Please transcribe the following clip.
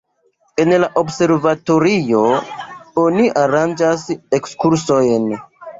En la observatorio oni aranĝas ekskursojn.